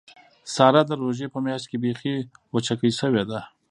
ساره د روژې په میاشت کې بیخي وچکۍ شوې ده.